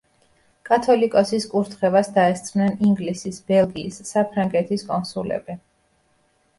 კათოლიკოსის კურთხევას დაესწრნენ ინგლისის, ბელგიის, საფრანგეთის კონსულები.